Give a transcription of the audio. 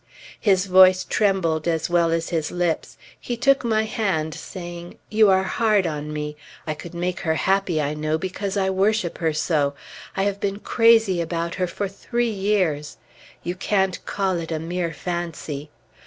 His voice trembled as well as his lips. He took my hand, saying, "You are hard on me. I could make her happy, I know, because I worship her so. I have been crazy about her for three years; you can't call it a mere fancy.